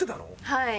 はい。